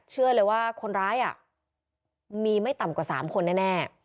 เชื่อเลยว่าคนร้ายอ่ะมีไม่ต่ำกว่าสามคนแน่แน่